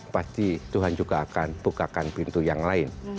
pasti tuhan juga akan bukakan pintu yang lain